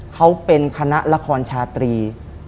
เขาเป็นคณะละครชาตรี